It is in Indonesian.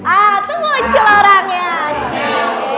ah tuh muncul orangnya cie